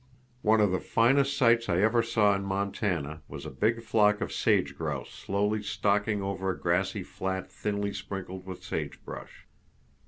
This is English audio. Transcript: One of the finest sights I ever saw in Montana was a big flock of sage grouse slowly stalking over a grassy flat thinly sprinkled with sage brush.